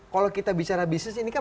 kalau kita bicara bisnis ini kan